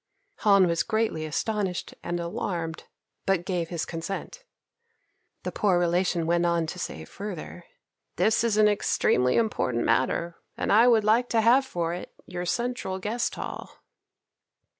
Han was greatly astonished and alarmed, but gave his consent. The poor relation went on to say further, "This is an extremely important matter, and I would like to have for it your central guest hall."